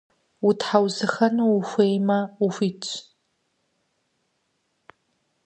Утхьэусыхэну ухуеймэ, ухуитщ.